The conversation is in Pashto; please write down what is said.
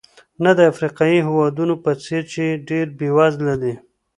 نه د افریقایي هېوادونو په څېر چې ډېر بېوزله دي.